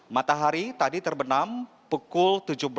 matahari tadi terbenam pukul tujuh belas empat puluh tiga lima puluh empat